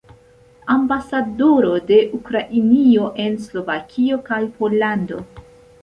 Ambasadoro de Ukrainio en Slovakio kaj Pollando.